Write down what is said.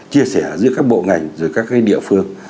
chia sẻ giữa các bộ ngành rồi các địa phương